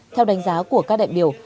theo đánh giá của các đại biểu